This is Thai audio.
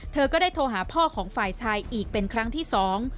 เธอก็ได้โทรหาพ่อของฝ่ายชายอีกเป็นครั้งที่สอง